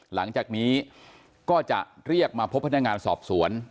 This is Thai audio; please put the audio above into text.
หลังจากนี้ก็จะเรียกมาพบพนักงานสอบสวน